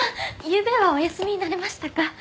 ゆうべはお休みになれましたか？